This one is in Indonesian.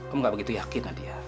om nggak begitu yakin nadia